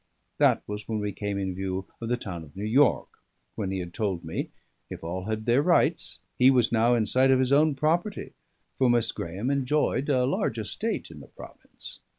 That was when we came in view of the town of New York, when he had told me, if all had their rights, he was now in sight of his own property, for Miss Graeme enjoyed a large estate in the province.